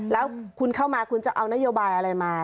แล้วคุณเข้ามาคุณจะเอานโยบายอะไรมา